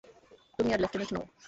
তুমি আর লেফটেন্যান্ট নও।